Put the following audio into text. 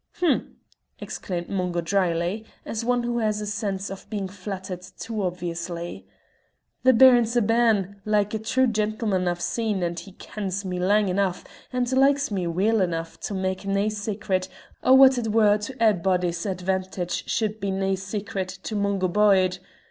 "H'm!" exclaimed Mungo dryly, as one who has a sense of being flattered too obviously. "The Baron's a bairn, like a' true gentlemen I've seen, and he kens me lang enough and likes me weel enough to mak' nae secret o' what it were to a'body's advantage should be nae secret to Mungo Byde.